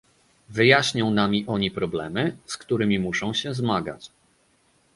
Wyjaśnią nami oni problemy, z którymi muszą się zmagać